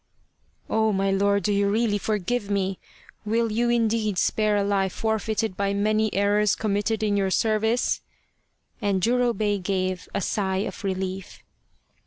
" Oh, my lord, do you really forgive me ? Will you indeed spare a life forfeited by many errors committed in your service ?" and Jurobei gave a sigh of relief.